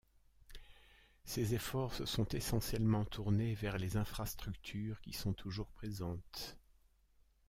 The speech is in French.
Ses efforts se sont essentiellement tournés vers les infrastructures qui sont toujours présentes.